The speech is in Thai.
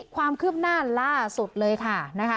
ความคืบหน้าล่าสุดเลยค่ะ